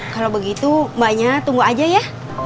kalau begitu mbaknya tunggu aja ya